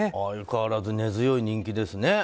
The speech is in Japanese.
相変わらず根強い人気ですね。